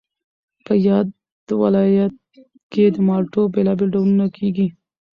په یاد ولایت کې د مالټو بېلابېل ډولونه کېږي